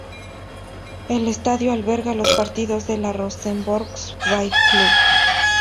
El estadio alberga los partidos de la Rosenborg Ballklub.